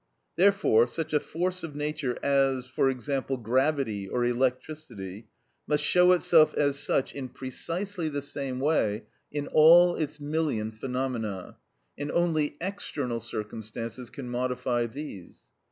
Therefore such a force of nature as, for example, gravity or electricity, must show itself as such in precisely the same way in all its million phenomena, and only external circumstances can modify these.